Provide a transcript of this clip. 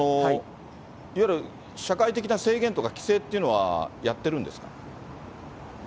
いわゆる社会的な制限とか規制っていうのは、やってるんですか？